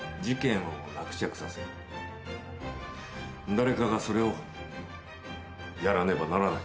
誰かがそれをやらねばならない。